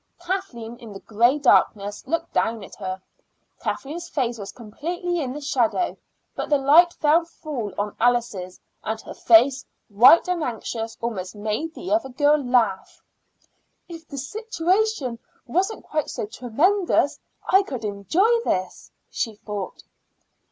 Kathleen in the gray darkness looked down at her. Kathleen's face was completely in the shadow, but the light fell full on Alice's, and her face, white and anxious, almost made the other girl laugh. "If the situation wasn't quite so tremendous I could enjoy this," she thought.